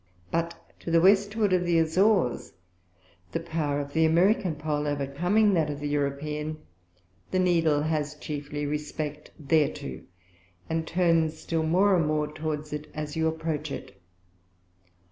But to the Westwards of the Azores the Power of the American Pole overcoming that of the European, the Needle has chiefly respect thereto, and turns still more and more towards it as you approach it.